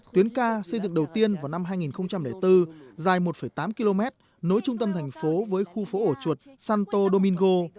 tuyến ca xây dựng đầu tiên vào năm hai nghìn bốn dài một tám km nối trung tâm thành phố với khu phố ổ chuột santo domino